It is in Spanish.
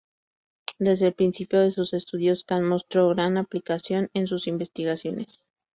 Desde el principio de sus estudios, Kant mostró gran aplicación en sus investigaciones.